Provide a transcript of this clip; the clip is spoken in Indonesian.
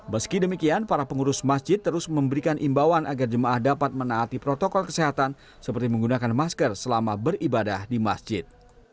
meski demikian para pengurus masjid terus memberikan imbauan agar jemaah dapat menaati protokol kesehatan seperti menggunakan masker selama beribadah di masjid